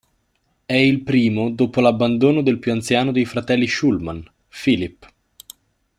È il primo dopo l'abbandono del più anziano dei fratelli Shulman, Philip.